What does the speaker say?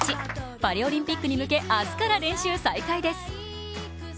パリオリンピックに向け、明日から練習再開です。